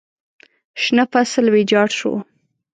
شنه فصل ویجاړ شو.